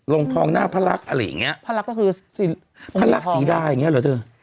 ลงทองหน้าพระรักอะไรอย่างเงี้ยพระรักก็คือพระรักษีดาอย่างเงี้เหรอเธอ